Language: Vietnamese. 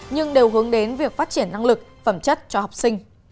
nhưng đều hướng đến việc phát triển năng lực phẩm chất cho học sinh